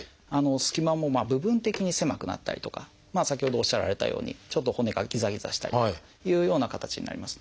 隙間も部分的に狭くなったりとか先ほどおっしゃられたようにちょっと骨がギザギザしたりというような形になります。